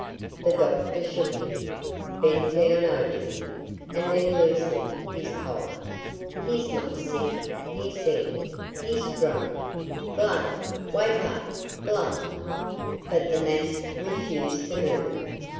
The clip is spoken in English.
The doctor shook him, bent down over him, and then loosened his collar. "He's not sick," he said; "he's drunk! Blunt! wake up! Blunt!" But the mass refused to move.